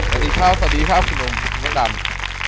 สวัสดีครับสวัสดีครับคุณโอนกุลคุณตัน